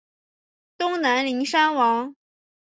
东南邻山王。